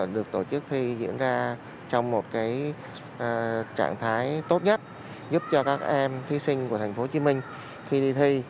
được tổ chức thi diễn ra trong một trạng thái tốt nhất giúp cho các em thí sinh của tp hcm khi đi thi